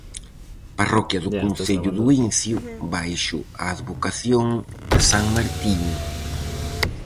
Parroquia do concello do Incio baixo a advocación de san Martiño.